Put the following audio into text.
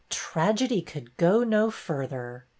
Tragedy could go no further.